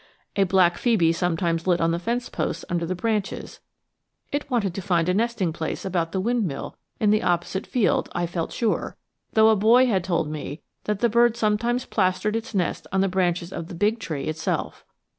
A black phœbe sometimes lit on the fence posts under the branches it wanted to find a nesting place about the windmill in the opposite field, I felt sure, though a boy had told me that the bird sometimes plastered its nest onto the branches of the big tree itself.